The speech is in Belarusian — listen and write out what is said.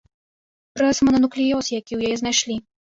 Праз монануклеоз, які ў яе знайшлі.